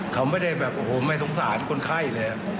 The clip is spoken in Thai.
เขาไม่ได้แบบโอ้โหไม่สงสารคนไข้เลย